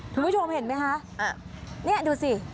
ทุกคนเข้ามาเห็นไหมคะนี่ดูสิ